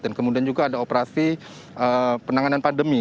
dan kemudian juga ada operasi penanganan pandemi